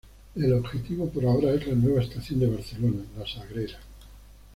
El objetivo por ahora es la nueva Estación de Barcelona-La Sagrera.